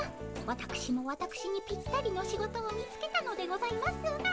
わたくしもわたくしにぴったりの仕事を見つけたのでございますが。